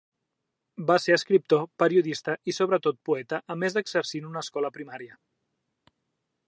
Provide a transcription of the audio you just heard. Va ser escriptor, periodista i sobretot poeta a més d'exercir en una escola primària.